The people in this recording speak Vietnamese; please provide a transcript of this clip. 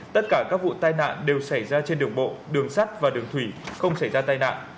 tất cả các vụ tai nạn đều xảy ra trên đường bộ đường sắt và đường thủy không xảy ra tai nạn